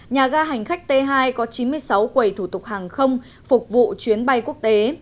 nhà ga hành khách t hai có chín mươi sáu quầy thủ tục hàng không phục vụ chuyến bay quốc tế